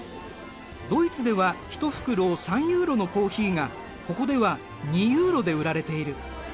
ドイツでは一袋３ユーロのコーヒーがここでは２ユーロで売られている。